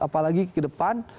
apalagi ke depan